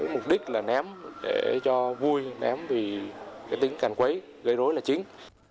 mục đích là ném để cho vui ném vì tính can quấy gây rối là chính